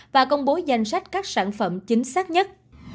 và đạt được sản phẩm chính xác nhất